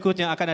mah bisnis ini